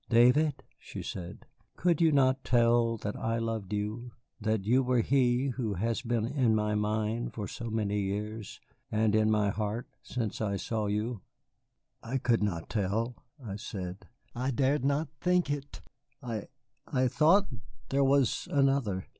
"David," she said, "could you not tell that I loved you, that you were he who has been in my mind for so many years, and in my heart since I saw you?" "I could not tell," I said. "I dared not think it. I I thought there was another."